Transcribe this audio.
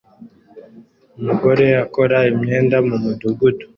Umugore akora imyenda mu mudugudu